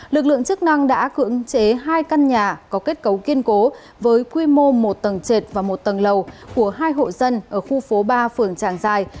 lực lượng chức năng đã cưỡng chế hai căn nhà có kết cấu kiên cố với quy mô một tầng trệt và một tầng lầu của hai hộ dân ở khu phố ba phường tràng giài